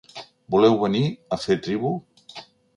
Voleu venir a fer tribu?